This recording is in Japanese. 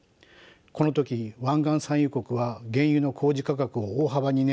この時湾岸産油国は原油の公示価格を大幅に値上げ